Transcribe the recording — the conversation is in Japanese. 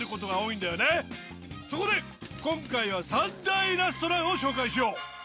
そこで今回は３大ラストランを紹介しよう。